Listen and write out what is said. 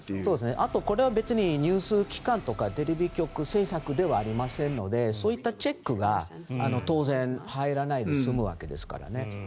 あとこれは別にニュース機関とかテレビ局制作ではありませんのでそういったチェックが当然入らないで済むわけですからね。